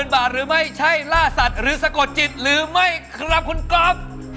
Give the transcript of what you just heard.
บาทหรือไม่ใช่ล่าสัตว์หรือสะกดจิตหรือไม่ครับคุณก๊อฟ